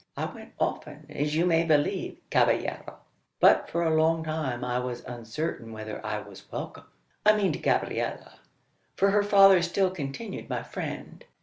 I went often, as you may believe, cavallero; but for a long time I was uncertain whether I was welcome I mean to Gabriella: for her father still continued my friend.